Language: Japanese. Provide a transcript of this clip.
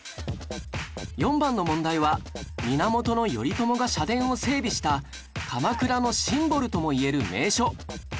４番の問題は源頼朝が社殿を整備した鎌倉のシンボルともいえる名所